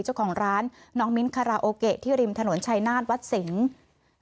เจ้าของร้านน้องมิ้นคาราโอเกะที่ริมถนนชายนาฏวัดสิงศ์